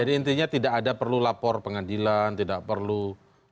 jadi intinya tidak ada perlu lapor pengadilan tidak perlu kutip perjalanan